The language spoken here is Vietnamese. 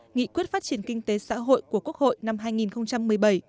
nghị quyết phát triển kinh tế xã hội của quốc hội năm hai nghìn một mươi bảy